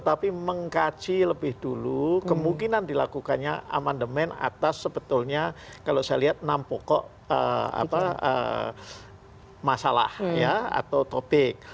tapi mengkaji lebih dulu kemungkinan dilakukannya amandemen atas sebetulnya kalau saya lihat enam pokok masalah atau topik